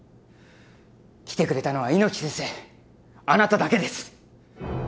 来てくれたのは猪木先生、あなただけです。